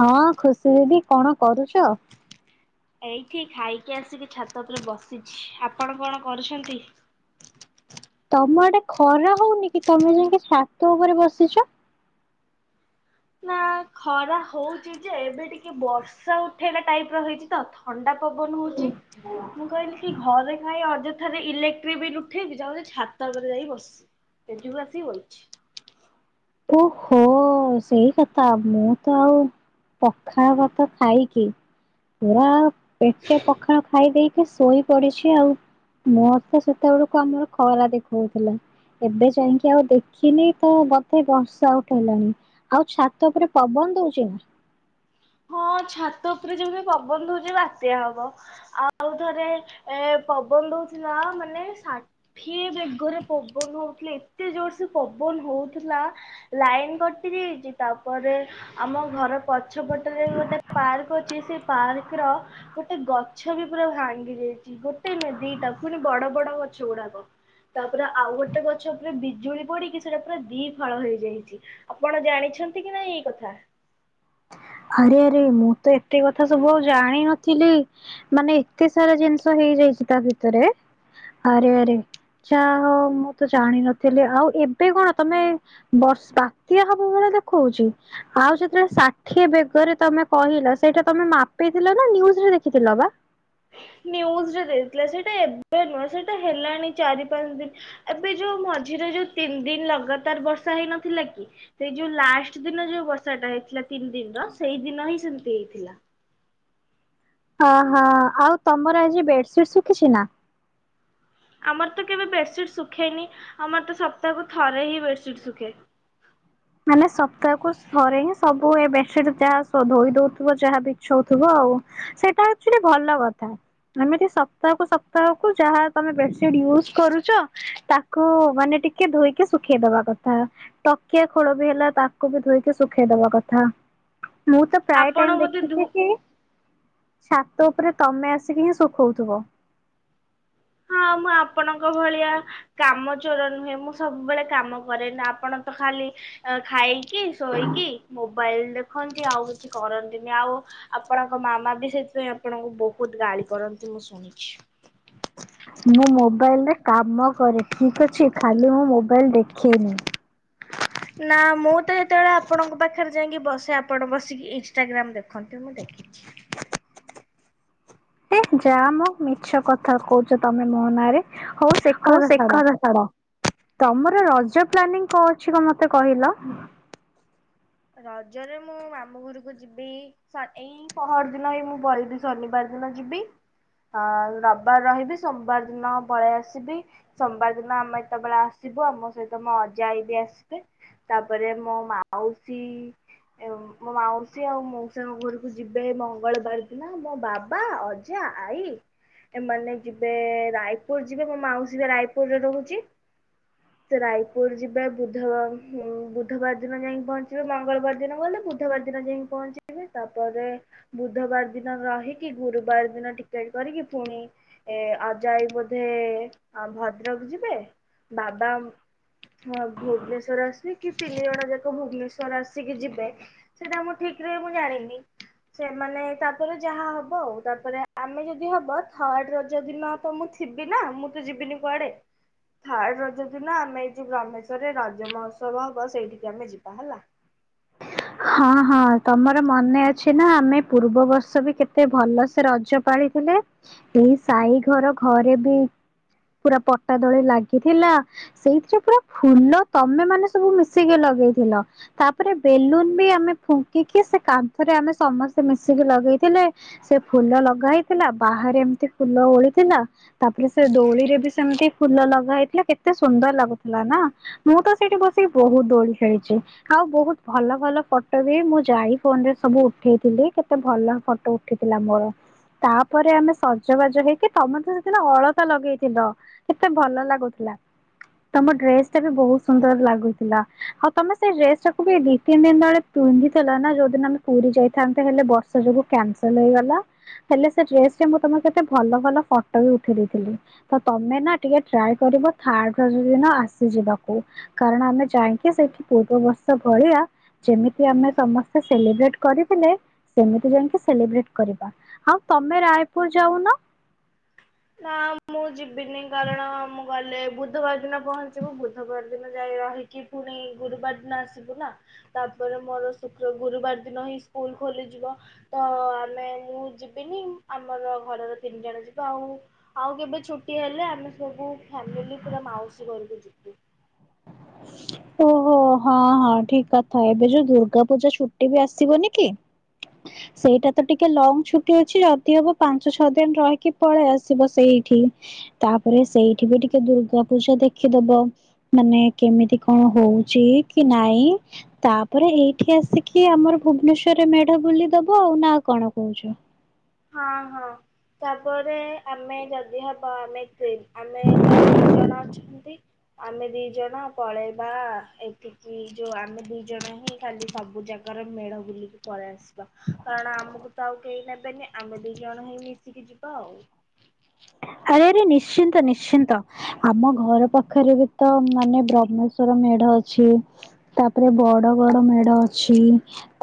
ହଁ ଖୁସି ଦିଦି କଣ କରୁଛ? ଏଇଠି ଖାଇକି ଆସିକି ଛାତ ଉପରେ ବସିଛି, ଆପଣ କଣ କରୁଛନ୍ତି? ତମଆଡ଼େ ଖରା ହଉନି କି ତମେ ଯାଇଁକି ଛାତ ଉପରେ ବସିଛ? ନା ଖରା ହଉଛି ଯେ ଏବେ ଟିକେ ବର୍ଷା ଉଠେଇଲା ଟାଇପର ହେଇଛି ତ ଥଣ୍ଡା ପବନ ହଉଛି ମୁଁ କହିଲି କି ଘରେ ଖାଇ ଅଯ ଠାରେ ଇଲେକ୍ଟ୍ରି ବିଲ୍ ଉଠେଇକି ଯାଉଛି ଛାତରେ ଉପରେ ଯାଇ ବସିବି, ସେଠିକୁ ଆସିକି ବଇଛି। ଓହୋ ସେଇ କଥା ମୁଁ ତ ଆଉ ପଖାଳ ଭାତ ଖାଇକି ମୁଁ ଆଉ ପେଟେ ପଖାଳ ଖାଇ ଦେଇ କି ଶୋଇ ପଡିଛି ଆଉ, ମୋତେ ସେତେବେଳକୁ ଆମର ଖରା ଦେଖଉଥିଲା। ଏବେ ଯାଇଁକି ଆଉ ଦେଖିନି ତ ବ ହେଇ ବର୍ଷା ଉଠେଇଲାଣି ଆଉ ଛାତ ଉପରେ ପବନ ଦଉଛି ନା? ହଁ ଛାତ ଉପରେ ଯେମିତି ପବନ ଦଉଛି ବାତ୍ୟା ହବ। ଆଉ ଥରେ ଏ ପବନ ଦଉଥିଲା ମାନେ ସା ଫିଏ ବେଗରେ ପବନ ହଉଥିଲା ଏତେ ଜୋରସେ ପବନ ହଉଥିଲା। ଲାଇନି କଟି ଯାଇଛି ତାପରେ ଆମ ଘର ପଛପ ଆମ ଯଉ ଗୋଟେ ପାର୍କ ଅଛି ସେଇ ପାର୍କ ର ଗୋଟେ ଗଛ ବି ପୁରା ଭାଙ୍ଗି ଯାଇଛି। ଗୋଟେ ନୁହେଁ ଦିଟା ପୁଣି ବଡ ବଡ ହଛ ଗୁଡାକ। ତାପରେ ଆଉ ଗୋଟେ ଗଛ ଉପରେ ବିଜୁଳି ପଡିକି ସେଇଟା ପୁରା ଦି ଫାଳ ହେଇଯାଇଛି। ଆପଣ ଜାଣିଛନ୍ତି କି ନାଇ ଏଇ କଥା? ଆରେ ଆରେ ମୁଁ ତ ଏତେ କଥା ସବୁ ଆଉ ଜାଣିନଥିଲି। ମାନେ ଏତେ ସାରା ଜିନିଷ ହେଇଯାଇଛି ତା ଭିତରେ ଆରେ ଆରେ। ଯା ହଉ ମୁଁ ତ ଜାଣିନଥିଲି ଆଉ ଏବେ କଣ ତମେ ବଷ ବାତ୍ୟା ହବ ବେଳେ ଦେଖଉଛି ଆଉ ଯେତେବେଳେ ଷା ଠିଏ ବେଗରେ ତମେ କହିଲ ସେଇଟା ତମେ ମାପିଥିଲ ନା ନିୟୁଜି ରେ ଦେଖିଥିଲ ବା? ନ୍ୟୁଜି ରେ ଦେଇଥିଲା ସେଇଟା ଏବେ ନୁହେଁ ସେଇଟା ହେଲାଣି ଚାରି ପାଞ୍ଚ ଦିନି ଏବେ ଯୋଉ ମଝିରେ ଯୋଉ ତିନି ଦିନି ଲଗାଦାର ବର୍ଷା ହେଇନଥିଲା କି। ସେଇ ଯୋଉ ଲାଷ୍ଟ ଦିନ ଯୋଉ ବର୍ଷା ଟା ହେଇଥିଲା ତିନି ଦିନି ର ସେଇ ଦିନ ହିଁ ସେମତି ହେଇଥିଲା। ଅ ହଁ, ଆଉ ତମର ଆଜି ବେଡସିଡ ଶୁଖିଛି ନା? ଆମର ତ କେବେ ବେଡସିଡ୍ ଶୁଖେନି ଆମର ତ ସପ୍ତାହକୁ ଥରେ ହିଁ ବେଡସିଡ୍ ଶୁଖେ। ମାନେ ସପ୍ତାହକୁ ଥରେ ହିଁ ସବୁ ଏ ବେସିଡ ଯାହା ଧୋଇ ଦଉଥିବ ଯାହା ବିଛଉଥିବ ଆଉ। ସେଟା ଆଚୁୱାଲି ଭଲ କଥା। ଏମିତି ସପ୍ତାହକୁ ସପ୍ତାହକୁ ଯାହା ତମେ ବେଡସିଟି ୟୁଜ କରୁଚ ତା ତାକୁ ମାନେ ଟିକେ ଧୋଇକି ଶୁଖେଇ ଦବା କଥା, ଟକିଆ ଖୋଳ ବି ହେଲା ତାକୁ ବି ଧୋଇକି ଶୁଖେଇଦବା କଥା। ମୁଁ ତ ପ୍ରାୟ ଆପଣ ଟାଇମି ବୋଧେ ଧୁ ଦେଖିଛି କି ଛାତ ଉପରେ ତମେ ଆସିକି ହିଁ ଶୁଖଉଥିବ। ହଁ ମୁଁ ଆପଣଙ୍କ ଭଳିଆ କାମ ଚୋର ନୁହେଁ, ମୁଁ ସବୁବେଳେ କାମ କରେ ଆପଣ ତ ଖାଲି ଖାଇକି ଶୋଇକି ମୋବାଇଲ ଦେଖନ୍ତି ଆଉ କିଛି କରନ୍ତିନି, ଆଉ ଆପଣଙ୍କ ମାମା ବି ସେଥିପାଇଁ ଆପଣଙ୍କୁ ବହୁତ ଗାଳି କରନ୍ତି ମୁଁ ଶୁଣିଛି। ମୁଁ ମୋବାଇଲରେ କାମ କରେ ଠିକି ଅଛି ଖାଲି ମୁଁ ମୋବାଇଲ ଦେଖେନି। ନା ମୁଁ ତ ଯେତେବେଳେ ଆପଣଙ୍କ ପାଖରେ ଯାଇକି ବସେ ଆପଣ ବସିକି ଇନଷ୍ଟାଗ୍ରାମ ଦେଖନ୍ତି, ମୁଁ ଦେ ଦେଖିଚି। ହେ ଯା ମ ମିଛ କଥା କହୁଛ ତମେ ମୋ ନାରେ ହଉ। ସେ କଥା ଛାଡ, ତମର ରଜ ପ୍ଲାନିଂ କଁ ଅଛି କ ମତେ କହିଲ? ରଜରେ ମୁଁ ମାମୁଘର ମୁଁ ଯିବି ଶନି ଏଇ ପହର ଦିନ ହେଇ ମୁଁ ପହିଲି ଶନିବାର ଦିନ ଯିବି। ହଃ ରବିବାର ରହିବି ସୋମବାର ଦିନ ପଳି ଆସିବି। ସୋମବାର ଦିନ ଆମେ ଯେତେବେଳେ ଆସିବୁ ଆମ ସହିତ ମୋ ଅଜା ଆଈ ବି ଆସିବେ। ତାପରେ ମୋ ମାଉସୀ ମୋ ମାଉସୀ ଆଉ ମଉସା ଙ୍କ ଘରୁ କୁ ଯିବେ ମଙ୍ଗଳବାର ଦିନ ମୋ ବାବା ଅଜା ଆଈ। ଏମାନେ ଯିବେ ରାୟପୁରୁ ଯିବେ ମୋ ମାଉସୀ ବା ରାୟପୁରରେ ରହୁଛି। ସେ ରାୟପୁରୁ ଯିବେ ବୁଧ ବୁଧବାର ଦିନ ଯାଇ କି ପହଞ୍ଚି ଯିବେ ମଙ୍ଗଳବାର ଦିନ ଗଲେ ବୁଧବାର ଦିନ ଯାଇକି ପହଞ୍ଚିବେ ତାପରେ ବୁଧବାର ଦିନ ରହିକି ଗୁରୁବାର ଦିନ ଟିକେଟ କରିକି ପୁଣି ଏ ଅଜା ଆଈ ବୋଧେ ଭଦ୍ରକ ଯିବେ ବାବା ହଁ ଭୁବନେଶ୍ଵର ଆସିବେ କି ତିନି ଜଣ ଯାକ ଭୁବନେଶ୍ଵ [unintelligible] ଆସିକି ଯିବେ ସେଇଟା ମୁଁ ଠିକ ରେ ମୁଁ ଜାଣିନି। ସେମାନେ ତାପରେ ଯାହା ହବ ଆଉ, ତାପରେ ଆମେ ଯଦି ହବ ଥର୍ଡ ରଜ ଦିିନ ତମୁ ଥିବି ନା, ମୁଁ ତ ଯିବିନି କୁଆଡେ? ଥାର୍ଡ ରଜ ଦିନ, ଆମେ ଏଇ ଯୋଉ ବ୍ରହମେଶ୍ଵରରେ ରଜ ମହୋତ୍ସବ ହବ, ସେଇଠିକି ଆମେ ଯିବା ହେଲା। ହଁ ହଁ, ତମର ମନେ ଅଛି ନା, ଆମେ ପୂର୍ବବର୍ଷ ବି କେତେ ଭଲ ସେ ରଜ ପାଳିଥିଲେ, ଏଇ ସାଇ ଘର ଘରେ ବି ପୁରା ପଟା ଦୋଳି ଲାଗିଥିଲା। ସେଇଥିରେ ପୁରା ଫୁଲ ତମେ ମାନେ ସବୁ ମିଶିକି ଲଗେଇଥିଲ, ତାପରେ ବେଲୁନ୍ ବି ଆମେ ଫୁଙ୍କିକି, ସେ କାନ୍ଥରେ ଆମେ ସମସ୍ତେ ମିଶିକି ଲଗେଇଥିଲେ। ସେ ଫୁଲ ଲଗା ହେଇଥିଲା, ବାହାରେ ଏମିତି ଫୁଲ ଓଳିଥିଲା। ତାପରେ ସେ ଦୋଳିରେ ବି ସେମିତି ଫୁଲ ଲଗା ହେଇଥିଲା, କେତେ ସୁନ୍ଦର ଲାଗୁଥିଲା ନା? ମୁଁ ତ ସେଠି ବସିକି ବହୁତ ଦୋଳି ଖେଳିଚି, ଆଉ ବହୁତ ଭଲ ଭଲ ଫଟୋ ବି ମୁଁ ଯାଇ ଫୋନ ରେ ସବୁ ଉଠେଇଥିଲି, କେତେ ଭଲ ଫଟୋ ଉଠିଥିଲା ମୋର। ତାପରେ ଆମେ ସଜବାଜ ହେଇକି, ତମେ ତ ସେଦିନ ଅଳତା ଲଗେଇଥିଲ। କେତେ ଭଲ ଲାଗୁଥିଲା। ତମ ଡ୍ରେସ ଟା ବି ବହୁତ ସୁନ୍ଦର ଲାଗୁଥିଲା ଆଉ ତମେ ସେଇ ଡ୍ରେସ ଟାକୁ ବି ଦି ତିନି ଦିନି ତଳେ ପିନ୍ଧିଥିଲା ନା? ଯୋଉଦିନ ଆମେ ପୁରୀ ଯାଇଥାନ୍ତେ, ହେଲେ ବର୍ଷା ଯୋଗୁ କ୍ୟାନସଲ ହେଇଗଲା। ହେଲେ ସେ ଡ୍ରେସ୍ ରେ ମୁଁ ତମ କେତେ ଭଲ ଭଲ ଫଟୋ ବି ଉଠେଇ ଦେଇେଥିଲି। ତ ତମେ ନା ଟିକେ ଟ୍ରାଏ କରିବ, ଥାର୍ଡ ଦିନ ଆସିଯିବାକୁ। କାରଣ ଆମେ ଯାଇକି, ସେଇଠି ପୂର୍ବ ବର୍ଷ ଭଳିଆ ଯେମିତି ଆମେ ସମସ୍ତେ ସେଲିବ୍ରେଟ୍ କରିଥିଲେ, ସେମିତି ଯାଇକି ସେଲିବ୍ରେଟ୍ କରିବା। ହଉ ତମେ ରାୟପୁର ଯାଉନ? ନା ମୁଁ ଯିବିନି, କାରଣ ମୁଁ ଗଲେ ବୁ ବୁଧବାର ଦିନ ପହଞ୍ଚିବୁ, ବୁଧବାର ଦିନ ଯାଇ ରହିକି ପୁଣି ଗୁରୁବାର ଦିନ ଆସିବୁ ନା। ତାପରେ ମୋର ଶୁକ୍ର ଗୁରୁବାର ଦିନ ହିଁ ସ୍କୁଲ ଖୋଲିଯିବ। ତ ଆମେ ମୁଁ ଯିବିନି, ଆମର ଘରର ତିନି ଜଣ ଯିବେ ଆଉ। ଆଉ କେବେ ଛୁଟି ହେଲେ, ଆମେ ସବୁ ଫ୍ୟାମିଲି ପୁରା ମାଉସୀ ଘରକୁ ଯିବୁ। [inaudible] ଓହୋ, ହଁ ହଁ, ଠିକ୍ କଥା, ଏବେ ଯୋଉ ଦୁର୍ଗା ପୂଜା ଛୁଟି ବି ଆସିବନି କି [inaudible] ସେଇଟା ତ ଟିକେ ଲଙ୍ଗ ଛୁଟି ଅଛି, ଯଦି ହବ ପାଞ୍ଚ ଛଅ ଦିନ ରହିକି ପଳେଇ ଆସିବ ସେଇଠି। ତାପରେ ସେଇଠି ବି ଟିକେ ଦୁର୍ଗା ପୂଜା ଦେଖିଦବ, ମାନେ କେମିତି କଣ ହଉଚି, କି ନାଇଁ ତାପରେ ଏଇଠି ଆସିକି ଆମର ଭୁବନେଶ୍ୱରରେ ମେଢ ବୁଲି ଦବ ଆଉ, ନା କଣ କହୁଚ? ହଁ ହଁ, ତାପରେ ଆମେ ଯଦି ହବ, ଆମେ ଦି ଆମେ ତ ଦି ଜଣ ଅଛନ୍ତି। ଆମେ ଦି ଜଣ ପଳେଇବା ଏଠିକି, ଯୋଉ ଆମେ ଦି ଜଣ ହିଁ ଖାଲି ସବୁ ଜାଗା କାର ମେଢ ବୁଲିକି ପଳେଇ ଆସିବା, କାରଣ ଆମକୁ ତ ଆଉ କେହି ନେବେନି। ଆମେ ଦି ଜଣ ହେଇ ମିଶିକି ଯିବା ଆଉ। ହାଏରେ ନିଶ୍ଚିନ୍ତ ନିଶ୍ଚିନ୍ତ। ଆମ ଘର ପାଖରେ ଗୋଟେ ମାନେ ବ୍ରାହ୍ମେଶ୍ଵର ମେଢ ଅଛି। ତାପରେ ବଡ ବଡ ମେଢ ଅଛି।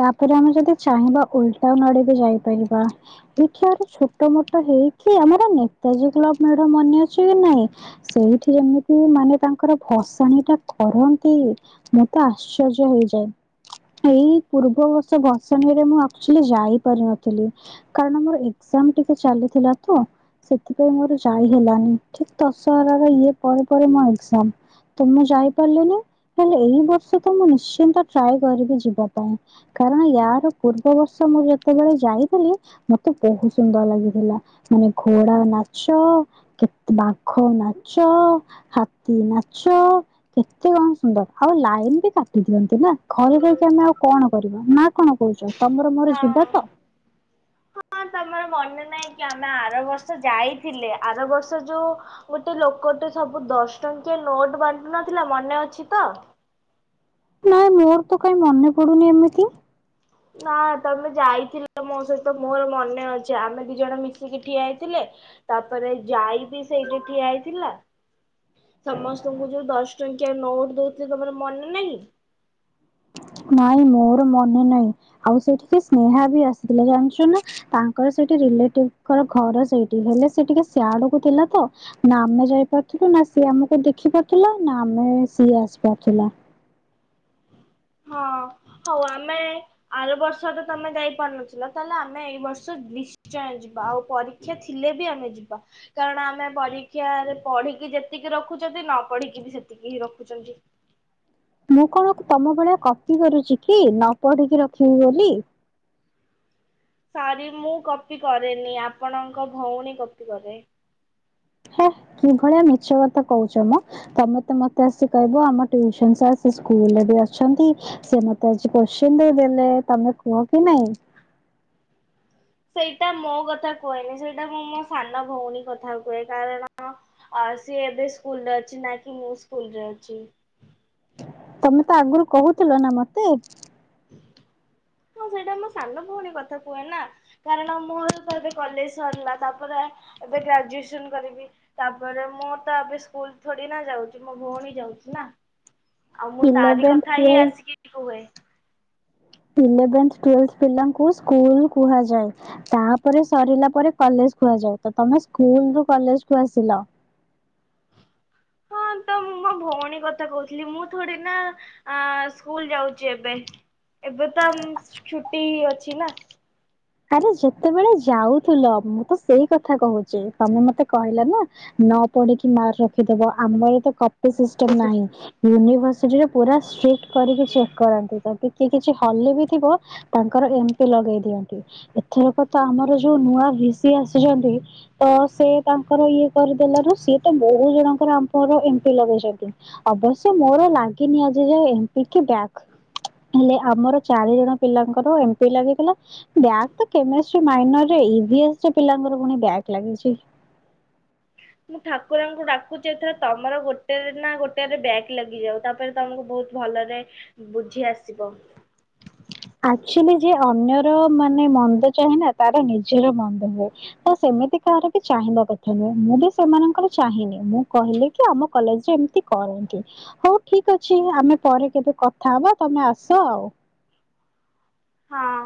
ତାପରେ ଆମେ ଯଦି ଚାହିଁବା, ଉଲଟା ନଡ ବି ଯାଇପାରିବା। ଏଇଠି ଆର ଛୋଟ ମୋଟ ହେଇକି, ଆମର ନେତାଜୀ କ୍ଲବ ମୋର ମନେ ଅଛି କି ନାଇଁ? ସେଇଠି ଆମକୁ ମାନେ ତାଙ୍କର ଭସାଣି ଟା କରନ୍ତି ମୁଁ ତ ଆଶ୍ଚର୍ଯ୍ୟ ହେଇଯାଏ। ଏଇ ପୂର୍ବବର୍ଷ ଭସାଣିରେ ମୁଁ ଆକ୍ଚୁଆଲି ଯାଇପାରିନଥିଲି। କାରଣ ମୋର ଏକ୍ଜାମ ଟିକେ ଚାଲିଥିଲା ତ। ସେଥିପାଇଁ ମୋର ଯାଇ ହେଲାନି ଠିକ୍ ଦଶହରାର ଇଏ ପରେ ପରେ ମୋ ଏକ୍ଜାମ। ତ ମୁଁ ଯାଇପାରିଲିନି ହେଲେ ଏଇ ବର୍ଷ ତ ମୁଁ ନିଶ୍ଚିନ୍ତ ଟ୍ରାଏ କରିବି ଯିବା ପାଇଁ। କାରଣ ୟାର ପୂର୍ବବର୍ଷ ମୁଁ ଯେତେବେଳେ ଯାଇଥିଲି ମତେ ବହୁତ ସୁନ୍ଦର ଲାଗିଥିଲା। ମାନେ ଘୋଡା ନାଚ, କେତେ ବାଘ ନାଚ, ହାତୀ ନାଚ, କେତେ କଣ ସୁନ୍ଦର ଆଉ ଲାଇନ ବି କାଟି ଦିଅନ୍ତି ନା। ଘରେ ଯାଇକି ଆମେ ଆଉ କଣ କରିବା ନା କଣ କହୁଛ ତମର ମୋର ଯିବା ତ? ହ ତମର ମନେ ନାହିଁ କି ଆମେ ଆର ବର୍ଷ ଯାଇଥିଲେ, ଆର ବର୍ଷ ଯୋଉ ଗୋଟେ ଲୋକଟେ ସବୁ ଦଶ ଟଙ୍କିଆ ନୋଟ ବାଣ୍ଟୁ ନଥିଲା, ମନେ ଅଛି ତ ନାଇଁ ମୋର ତ କାଇହିଁ ମନେ ପଡୁନି ଏମିତି, ନା ତମେ ଯାଇଥିଲ ମୋ ସହିତ ମୋର ମନେ ଅଛି ଆମେ ଦି ଜଣ ମିଶିକି ଠିଆ ହେଇଥିଲେ। ତାପରେ ଯାଇ ବିି ସେଇଠି ଠିଆ ହେଇଥିଲା। ସମସ୍ତଙ୍କୁ ଯୋଉ ଦଶ ଟଙ୍କିଆ ନୋଟ ଦେଇଥିଲ ତମର ମନେ ନାହିଁ। ନାଇଁ ମୋର ମନେ ନାହିଁ। ଆଉ ସେଇଠିକି ସ୍ନେହା ବି ଆସିଥିଲା ଜାଣିଛୁ ନା? ତାଙ୍କର ସେଇଠି ରିଲେଟିଭଙ୍କର ଘର ସେଇଠି ହେଲେ, ସେ ଟିକେ ସିଆଡକୁ ଥିଲା ତ ନା ଆମେ ଯାଇପାରୁଥିଲୁ, ନା ସିଏ ଆମକୁ ଦେଖି ପାରୁଥିଲା, ନା ଆମେ ସିଏ ଆସିପାରୁଥିଲା। ହଁ ହଉ ଆମେ ଆର ବର୍ଷ ତ ତମେ ଯାଇପାରୁନଥିଲ, ତାହେଲେ ଆମେ ଏଇ ବର୍ଷ ଯି ନିଶ୍ଚୟ ଯିବା ଆଉ ପରୀକ୍ଷା ଥିଲେ ବି ଆମେ ଯିବା। କାରଣ ଆମେ ପରୀକ୍ଷାରେ ପଢିକି ଯେତିକି ରଖୁଛନ୍ତି, ନ ପଢିକି ବି ସେତିକି ହିଁ ରଖୁଛନ୍ତି। ମୁଁ କଣ ତମ ଭଳିଆ କଫି କରୁଛି କି ନ ପଢିକି ରଖିବି ବୋଲି। ସରି ମୁଁ କପି କରେନି ଆପଣଙ୍କ ଭଉଣୀ କପି କରେ। ହେଁ କିଭଳିଆ ମିଛ କଥା କହୁଛ ମ, ତମେ ତ ମତେ ଆସି କହିବ ଆମ ଟ୍ୟୁସନ ସାର୍ ସେ ସ୍କୁଲରେ ବି ଅଛନ୍ତି। ସେ ମତେ ଆଜି କୋଶ୍ଚିନ୍ ଦେଇଦେଲେ ତମେ କୁହ କି ନାଇଁ? ସେଇଟା ମୋ କଥା କୁହେନି ସେଇଟା ମୁଁ ମୋ ସାନ ଭଉଣୀ କଥା କୁହେ, କାରଣ ଆ ସିଏ ଏବେ ସ୍କୁଲରେ ଅଛି ନା କି ମୁଁ ସ୍କୁଲ ରେ ଅଛି। ତମେ ତ ଆଗରୁ କହୁଥିଲ ନା ମତେ। ହୁଁ ହଁ, ସେଇଟା ମୋ ସାନ ଭଉଣୀ କଥା କୁହେ ନା, କାରଣ ମୋର ତ ଏବେ କଲେଜ ସରିଲା। ତାପରେ ଏବେ ଗ୍ରାଜୁଏସନ କରିବି। ତାପରେ ମୁଁ ତ ଏବେ ସ୍କୁଲ ଥୋଡି ନା ଯାଉଛି। ମୋ ଭଉଣୀ ଯାଉଛି ନା, ଆଉ ମୁଁ ତାରି ଇଲେଭେନ୍ଥ କଥା ହିଁ ଟୁଏଲ୍ଭ ଆସିକି କୁହେ। ଇଲେଭେନ୍ଥ, ଟୁଏଲେଭ୍ ପିଲାଙ୍କୁ ସ୍କୁଲ କୁହାଯାଏ। ତାପରେ ସରିଲା ପରେ କଲେଜ କୁହାଯାଏ। ତ ତମେ ସ୍କୁଲ ରୁ କଲେଜ କୁ ଆସିଲ। ହଁ, ତ ମୁଁ ମୁଁ ମୋ ଭଉଣୀ କଥା କହୁଥିଲି, ମୁଁ ଥୋଡି ନା ସ୍କୁଲ ଯାଉଛି ଏବେ। ଏବେ ତ ଛୁଟି ଅଛି ନା, ଆରେ ଯେତେବେଳେ ଯାଉଥିଲ, ମୁଁ ତ ସେଇ କଥା କହୁଛି ତମେ ମତେ କହିଲା ନା, ନ ପଢିକି ମାର୍କ ରଖିଦବ, ଆମର ତ କପି ସିଷ୍ଟମ ନାହିଁ। ୟୁନିଭର୍ସିଟିରେ ପୁରା ଷ୍ଟ୍ରିଟ କରିକି ଚେକ୍ କରନ୍ତି। ଯଦି କିଏ କିଛି ହଲି ବି ଥିବ ତାଙ୍କର ଏମତି ଲଗେଇ ଦିଅନ୍ତି। ଏଥରକ ତ ଆମର ଯୋଉ ନୂଆ ହିସି ଆସିଛନ୍ତି ତ ସେ ତାଙ୍କର ଇଏ କରିଦେଲାରୁ ସିଏ ତ ବହୁତ ଜଣଙ୍କର ଆମର ଏମପି ଲଗେଇଛନ୍ତି। ଅବଶ୍ୟ ମୋର ଲାଗିନି ଆଜି ଯା ଏମପି କି ବ୍ୟାକ୍। ହେଲେ ଆମର ଚାରି ଜଣ ପିଲାଙ୍କର ଏମ ପି ଲାଗିଥିଲା। ବ୍ୟାଗ୍ ତ କେମଷ୍ଟି ମାଇନର ରେ ଇଭି ଏସ ପିଲାଙ୍କର ପୁଣି ବ୍ୟାଗ ଲାଗିଚି। ମୁଁ ଠାକୁରାଙ୍କୁ ଡାକୁଛି ଏଥର ତମର ଗୋଟେରେ ନା ଗୋଟେ ରେ ବ୍ୟାଗ୍ ଲାଗିଯାଉ ତା ପରେ ତୁମକୁ ବହୁତ ଭଲରେ ବୁଝି ଆସିବ। ଆଚୁଏଲି ଯିଏ ଅନ୍ୟର ମାନେ ମନ୍ଦ ଚାହେଁ ନା ତାର ନିଜର ମନ୍ଦ ହୁଏ। ତ ସେମିତି କାହାର ବି ଚାହିଁବା କଥା ନୁହେଁ ମୁଁ ବି ସେମାନଙ୍କର ଚାହିଁନି। ମୁଁ କହିଲେ କି ଆମ କଲେଜରେ ଏମିତି କରନ୍ତି ହଉ ଠିକ୍ ଅଛି ଆମେ ପରେ କେବେ କଥା ହବା ତମେ ଆସ ଆଉ। ହଁ।